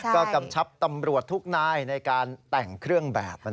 ก็กำชับตำรวจทุกนายในการแต่งเครื่องแบบ